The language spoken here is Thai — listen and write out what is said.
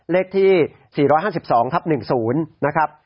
เลขที่๔๕๒ทับ๑๐นะครับ